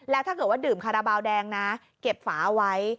แล้วถ้าเกิดว่าดื่มคาราบาลแดงนะเก็บฝาเอาไว้